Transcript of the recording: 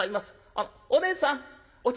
あっおねえさんお茶